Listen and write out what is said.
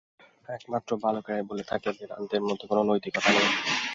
একমাত্র বালকেরাই বলে থাকে যে, বেদান্তের মধ্যে কোন নৈতিকতা নেই।